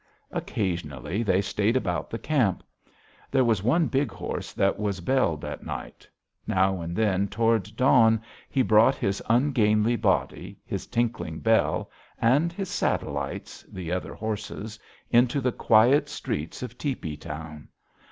Occasionally they stayed about the camp. There was one big horse that was belled at night. Now and then toward dawn he brought his ungainly body, his tinkling bell, and his satellites, the other horses, into the quiet streets of tepee town.